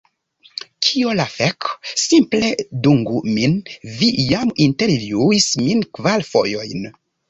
Kio la fek?! Simple dungu min, vi jam intervjuis min kvar fojojn!